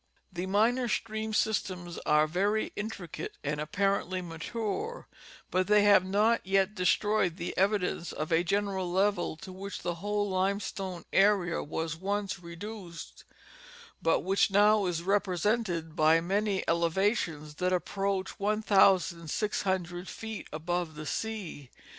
The minor stream systems are very intricate and apparently mature, but they have not yet destroyed the evidence of a gen eral level to which the whole limestone area was once reduced, but which now is represented by many elevations that approach 1,600 feet above the sea.